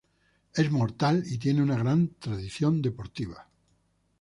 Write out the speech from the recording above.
Es mortal y tiene una gran tradición deportiva".